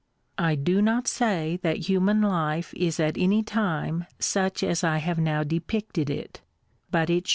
i do not say that human life is at anytime such as I have now depicted it; but it